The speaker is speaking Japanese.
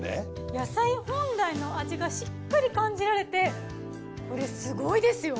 野菜本来の味がしっかり感じられてこれすごいですよ。